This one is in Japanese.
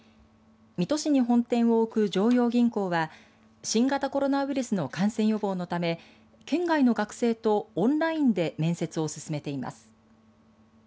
水戸市に本店を置く常陽銀行が新型コロナウイルスの感染予防のため県外の学生とオンラインで面接を進めています。